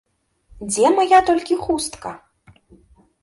Дзе мая толькі хустка?